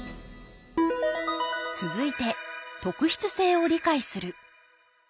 続いて「特筆性を理解する」。